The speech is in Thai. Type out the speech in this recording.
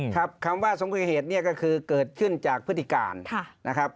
คำว่าสมควรเหตุเนี่ยก็คือเกิดขึ้นจากพฤติการนะครับ